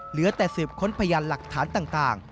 เหลือแต่สืบค้นพยานหลักฐานต่าง